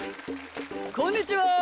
こんにちは。